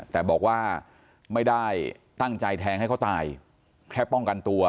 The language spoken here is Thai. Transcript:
แต่บอกว่าไม่ได้ตั้งใจแทงให้เขาตายแค่ป้องกันตัว